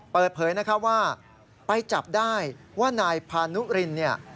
เปิดเผยว่าไปจับได้ว่านายพานุริน